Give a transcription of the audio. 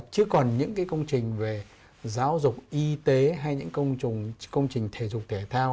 chứ còn những cái công trình về giáo dục y tế hay những công trình thể dục thể thao